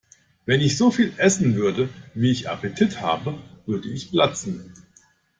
Wenn ich so viel essen würde, wie ich Appetit habe, würde ich platzen.